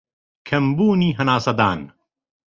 کەمبوونی هەناسەدان